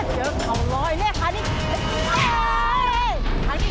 เจอเข่าร้อยเนี่ยทางนี้